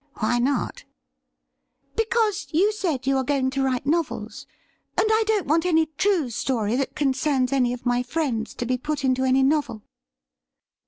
' Why not .?'' Because you said you are going to write novels, and I don't want any true story that concerns any of my friends to be put into any novel.'